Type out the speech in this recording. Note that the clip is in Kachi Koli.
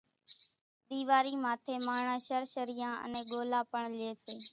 ۮيواري ماٿي ماڻۿان شرشريان انين ڳولا پڻ لئي سي،